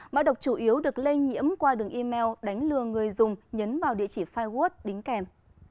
mã độc chủ yếu được lây nhiễm qua đường email đánh lừa người dùng nhấn vào địa chỉ firewood đính kèm